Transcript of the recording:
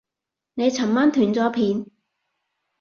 你尋晚斷咗片